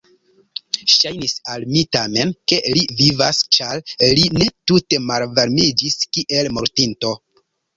Ŝajnis al mi tamen, ke li vivas, ĉar li ne tute malvarmiĝis kiel mortinto.